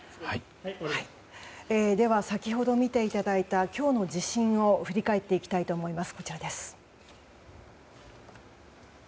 では先ほど見ていただいた今日の地震を振り返っていきたいと思います。